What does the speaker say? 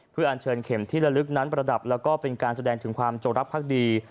เพื่ออัญเชิญเข็มที่ละลึกนั้นประดับแล้วก็เป็นการแสดงถึงความจงรักภักดี